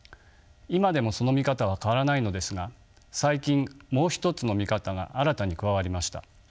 今でもその見方は変わらないのですが最近もう一つの見方が新たに加わりました。